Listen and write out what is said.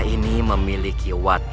kamu mau menemui aku